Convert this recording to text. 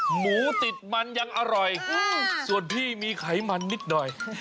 หมูติดมันยังอร่อยส่วนพี่มีไขมันนิดหน่อย